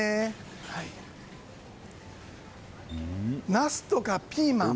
ナスとかピーマン。